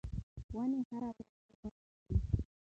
ونې هره ورځ اوبه غواړي.